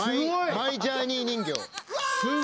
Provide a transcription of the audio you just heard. マイジャーニーだ。